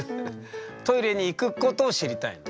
トイレに行くことを知りたいの？